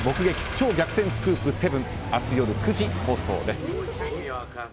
超逆転スクープ７」は明日夜９時放送です。